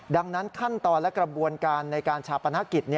ดังนั้นขั้นตอนและกระบวนการในการชาปนกิจ